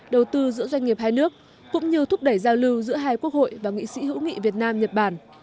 đầu tư giữa doanh nghiệp hai nước cũng như thúc đẩy giao lưu giữa hai quốc hội và nghị sĩ hữu nghị việt nam nhật bản